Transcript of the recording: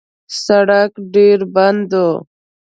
سړک ډېر بند و.